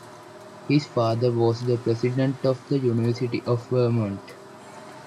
His father was the president of the University of Vermont.